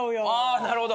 あなるほど。